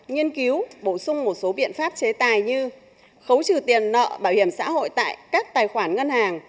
nghiên cứu bổ sung một số biện pháp chế tài như khấu trừ tiền nợ bảo hiểm xã hội tại các tài khoản ngân hàng